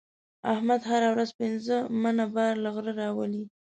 احمد هره ورځ پنځه منه بار له غره راولي.